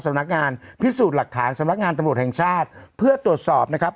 สำนักงานพิสูจน์หลักฐานสำนักงานตำรวจแห่งชาติเพื่อตรวจสอบนะครับ